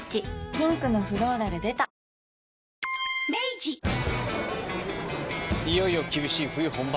ピンクのフローラル出たいよいよ厳しい冬本番。